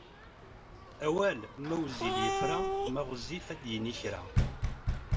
Awal, ma wezzil yefra, ma ɣezzif ad d-yini kra.